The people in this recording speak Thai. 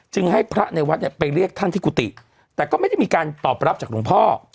ให้พระในวัดเนี่ยไปเรียกท่านที่กุฏิแต่ก็ไม่ได้มีการตอบรับจากหลวงพ่อ